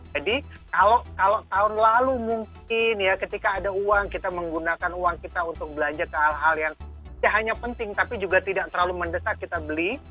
jadi kalau tahun lalu mungkin ya ketika ada uang kita menggunakan uang kita untuk belanja ke hal hal yang ya hanya penting tapi juga tidak terlalu mendesak kita beli